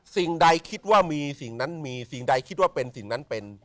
สิ่งใดคิดว่ามีสิ่งนั้นมีสิ่งใดคิดว่าเป็นสิ่งนั้นเป็น